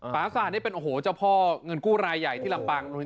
ปราศาสตร์นี่เป็นโอ้โหเจ้าพ่อเงินกู้รายใหญ่ที่ลำปาง